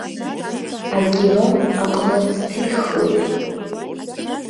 Акино аҟны сҭихуеит.